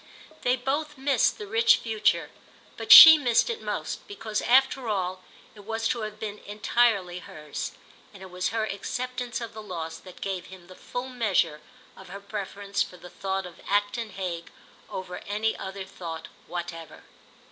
They both missed the rich future, but she missed it most, because after all it was to have been entirely hers; and it was her acceptance of the loss that gave him the full measure of her preference for the thought of Acton Hague over any other thought whatever.